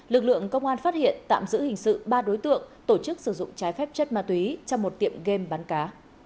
lực lượng công an phát hiện tạm giữ hình sự ba đối tượng tổ chức sử dụng trái phép chất ma túy trong một tiệm game bán cá